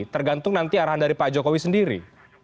tergantung nanti arahan dari pak jokowi sendiri